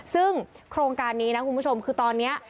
ซึ่งโครงการนี้นะคุณผู้ชมคือตอนนี้